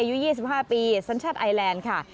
อายุ๒๕ปีสัญชาติไอแลนด์ค่ะ